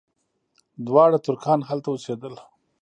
دواړه ترکان هلته اوسېدل.